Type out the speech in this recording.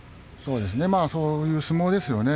そういう相撲ですよね。